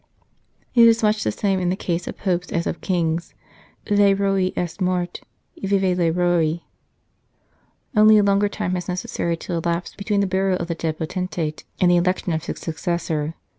It is much the same in the case of Popes as of Kings :" Le Roi est mort ! Vive le Roi !" Only a longer time has necessarily to elapse between the burial of the dead potentate and the election of his successor.